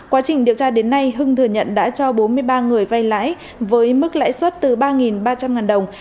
quá trình điều tra đến nay hưng thừa nhận đã cho bốn mươi ba người vay lãi với mức lãi suất từ ba ba trăm linh đồng